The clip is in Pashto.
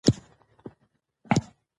ماشوم باید د نورو ماشومانو سره ملګری شي.